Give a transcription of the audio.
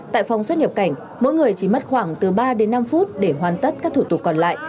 tại phòng xuất nhập cảnh mỗi người chỉ mất khoảng từ ba đến năm phút để hoàn tất các thủ tục còn lại